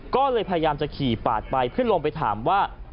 ก็เลยพยายามจะขี่ปาดไปเพื่อลงไปถามว่า